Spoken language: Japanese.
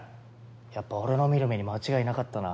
やっぱ俺の見る目に間違いなかったな。